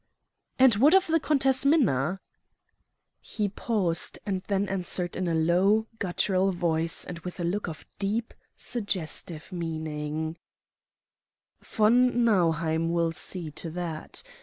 "And what of the Countess Minna?" He paused, and then answered in a low, guttural voice, and with a look of deep, suggestive meaning: "Von Nauheim will see to that.